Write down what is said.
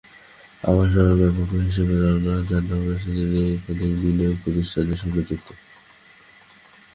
আবার সাবেক ব্যাংকার হিসেবে যাঁর নাম রয়েছে, তিনি একাধিক বিনিয়োগ প্রতিষ্ঠানের সঙ্গে যুক্ত।